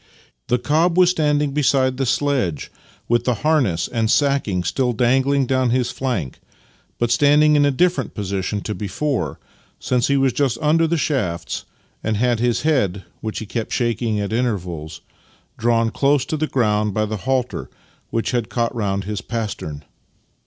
The cob was standing beside the sledge, with the harness and sacking still dangling down his flank — but standing in a different position to before, since he was just under the shafts, and had his head (which he kept shaking at intervals) drawn close to the ground by the halter, which had caught round his pastern.